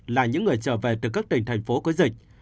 là những người trở về từ các tỉnh thành phố có dịch